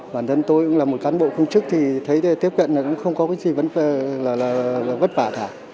bản thân tôi cũng là một cán bộ công trức thì thấy tiếp cận không có cái gì vất vả cả